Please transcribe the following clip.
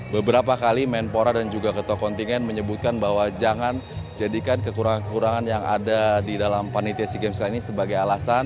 beberapa kali menpora dan juga ketua kontingen menyebutkan bahwa jangan jadikan kekurangan kekurangan yang ada di dalam panitia sea games kali ini sebagai alasan